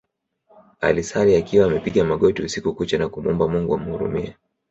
Alisali akiwa amepiga magoti usiku kucha na kumuomba Mungu amhurumie